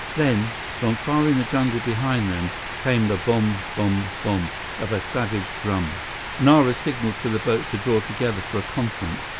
Then, from far in the jungle behind them, came the bom bom bom of a savage drum. Nara signaled for the boats to draw together for a conference.